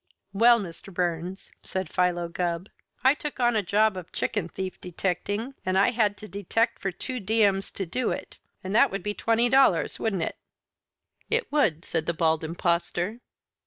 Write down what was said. "Well, Mr. Burns," said Philo Gubb, "I took on a job of chicken thief detecting, and I had to detect for two diems to do it, and that would be twenty dollars, wouldn't it?" "It would," said the Bald Impostor.